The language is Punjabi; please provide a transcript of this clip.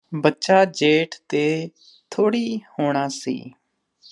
ਬੱਚਾ ਜੇਠ ਦੇ ਥੋੜੀ ਹੋਣਾ ਸੀ